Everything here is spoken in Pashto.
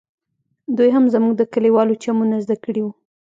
دوى هم زموږ د کليوالو چمونه زده کړي وو.